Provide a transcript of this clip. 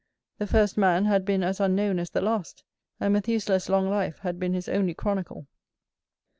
The first man had been as unknown as the last, and Methuselah's long life had been his only chronicle.